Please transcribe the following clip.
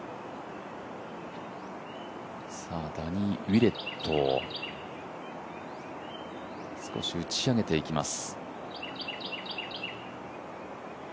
ダニー・ウィレット、少し打ち上げいきます。